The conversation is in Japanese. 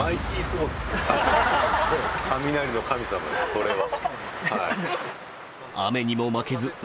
これは。